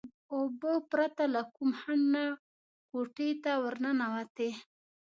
اوبه پرته له کوم خنډ نه کوټې ته ورننوتې.